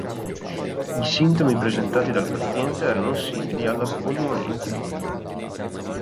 I sintomi presentati dal paziente erano simili alla polmonite.